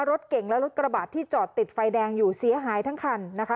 รถเก่งและรถกระบาดที่จอดติดไฟแดงอยู่เสียหายทั้งคันนะคะ